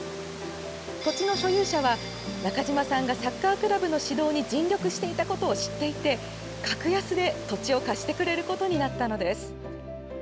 土地の所有者は、中島さんがサッカークラブの指導に尽力していたことを知っていて格安で土地を貸してくれることになったのです。